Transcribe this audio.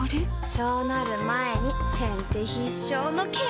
そうなる前に先手必勝のケア！